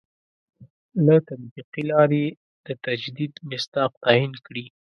له تطبیقي لاري د تجدید مصداق تعین کړي.